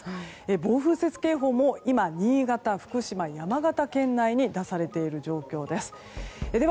暴風雪警報も今新潟、福島、山形県内に出されている状況です。